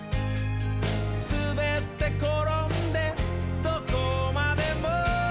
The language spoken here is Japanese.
「すべってころんでどこまでも」